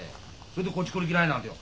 それでこっち来る気ないなんてよ。